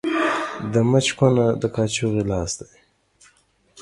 د مچ کونه ، د کاچوغي لاستى.